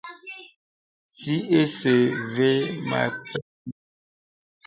Sì isɛ̂ və mə pək yɔŋ.